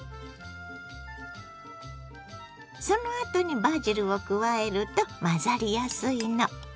そのあとにバジルを加えると混ざりやすいの。